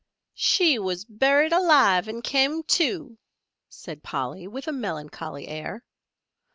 "She was buried alive and kem to!" said Polly with a melancholy air.